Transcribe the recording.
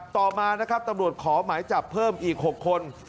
ต่อมานะครับตำรวจขอหมายจับเพิ่มอีก๖คน